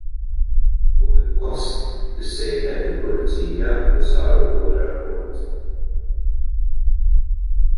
Fuq il-post issejħet il-Pulizija u sar ukoll rapport.